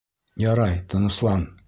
Ярай, тыныслан...